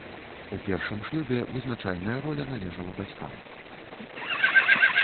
У першым шлюбе вызначальная роля належала бацькам.